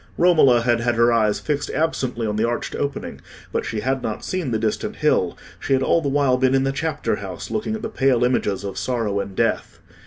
Romola had had her eyes fixed absently on the arched opening, but she had not seen the distant hill; she had all the while been in the chapter house, looking at the pale images of sorrow and death.